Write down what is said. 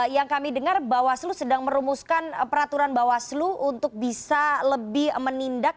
yang kami dengar bawaslu sedang merumuskan peraturan bawaslu untuk bisa lebih menindak